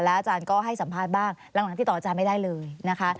อาจารย์ก็ให้สัมภาษณ์บ้างหลังติดต่ออาจารย์ไม่ได้เลยนะคะ